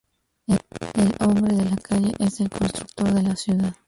El "hombre de la calle es el constructor de la ciudad".